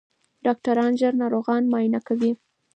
ډاکټران ژر ناروغان معاینه کوي.